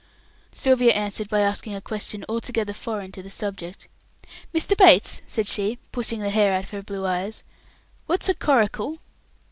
Sylvia answered by asking a question altogether foreign to the subject. "Mr. Bates," said she, pushing the hair out of her blue eyes, "what's a coracle?"